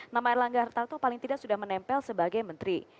nama erlangga hartarto paling tidak sudah menempel sebagai menteri